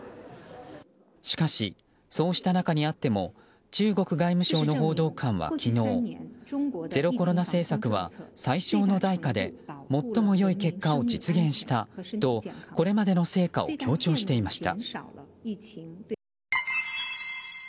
しかし、そうした中にあっても中国外務省の報道官は昨日ゼロコロナ政策は最小の代価で最も良い結果を実現したとこれまでの成果を強調していました。